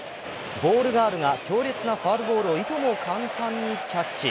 ボールガールが強烈なファウルボールをいとも簡単にキャッチ。